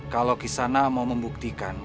kalau kisanak mau membuktikan